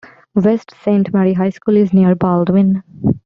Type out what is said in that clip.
West Saint Mary High School is near Baldwin.